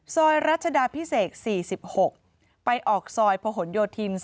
ซอยรพ๔๖ไปออกซอยพย๓๓